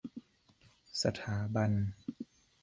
สถาบัน